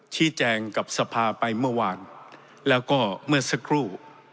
ชี้แจงกับสภาไปเมื่อวานแล้วก็เมื่อสักครู่